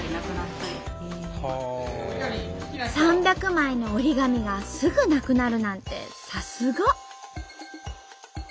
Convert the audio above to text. ３００枚の折り紙がすぐなくなるなんてさすが！